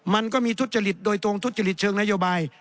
มันก็มีทุจริตโดยตรงทุจริตเชิงนโยบาย